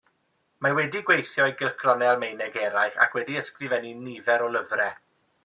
Mae wedi gweithio i gylchgronau Almaeneg eraill ac wedi ysgrifennu nifer o lyfrau.